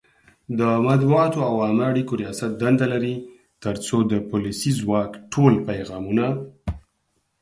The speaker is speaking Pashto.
د مطبوعاتو او عامه اړیکو ریاست دنده لري ترڅو د پولیسي ځواک ټول پیغامونه